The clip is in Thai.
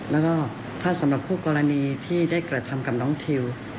แล้วก็ถ้าสำหรับคู่กรณีที่ได้กระทำกับน้องทิว